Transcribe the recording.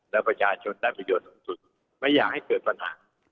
แล้วประชาชนได้ประโยชน์สูงสุดไม่อยากให้เกิดปัญหา